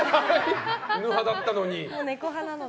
犬派だったのに。